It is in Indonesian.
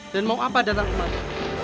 dan mau apa datang kemari